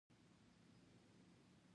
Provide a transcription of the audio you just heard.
دوي ته د پښتو ژبې